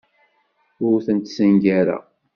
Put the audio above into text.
Ur tent-ssengareɣ.